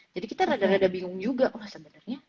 jadi kita rada rada bingung juga oh sebenernya